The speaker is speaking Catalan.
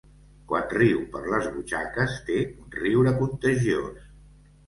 Quan riu per les butxaques té un riure contagiós.